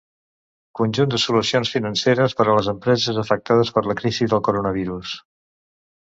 Conjunt de solucions financeres per a les empreses afectades per la crisi del coronavirus.